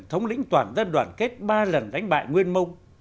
thống lĩnh toàn dân đoàn kết ba lần đánh bại nguyên mông